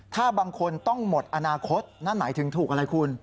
ถ้าบางคนต้องหมดอนาคตนั่นหมายถึงถูกอะไรคุณ